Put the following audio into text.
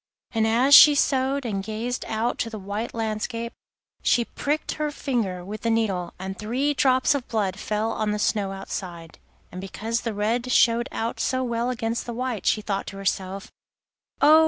And as she sewed and gazed out to the white landscape, she pricked her finger with the needle, and three drops of blood fell on the snow outside, and because the red showed out so well against the white she thought to herself: 'Oh!